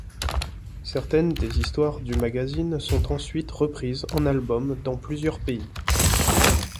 Certaines des histoires du magazine sont ensuite reprises en albums dans plusieurs pays.